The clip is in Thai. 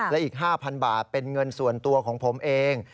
และอีก๕๐๐บาทเป็นเงินส่วนตัวของผมเอง